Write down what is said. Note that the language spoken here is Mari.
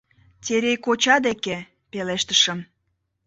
— Терей коча деке, — пелештышым.